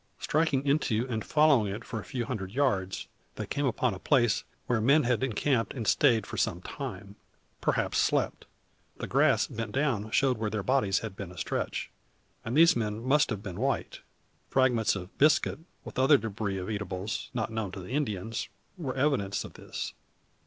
Striking into and following it for a few hundred yards, they came upon a place where men had encamped and stayed for some time perhaps slept. The grass bent down showed where their bodies had been astretch. And these men must have been white. Fragments of biscuit, with other debris of eatables, not known to Indians, were evidence of this.